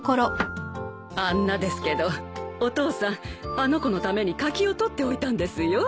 あんなですけどお父さんあの子のために柿を取っておいたんですよ。